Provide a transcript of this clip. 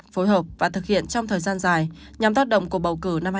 phối hợp và thực hiện trong thời gian dài nhằm tác động cuộc bầu cử năm hai nghìn một mươi sáu